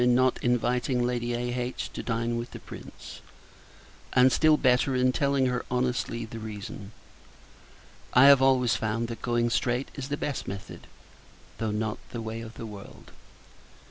in not inviting Lady A.H. to dine with the Prince; and still better, in telling her, honestly, the reason. I have always found, that going straight is the best method, though not the way of the world.